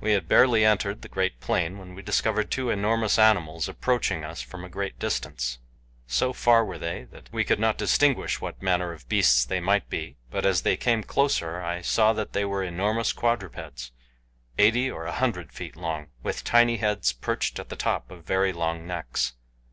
We had barely entered the great plain when we discovered two enormous animals approaching us from a great distance. So far were they that we could not distinguish what manner of beasts they might be, but as they came closer, I saw that they were enormous quadrupeds, eighty or a hundred feet long, with tiny heads perched at the top of very long necks.